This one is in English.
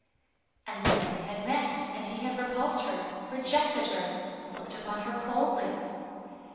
And then they had met and he had repulsed her, rejected her, looked upon her coldly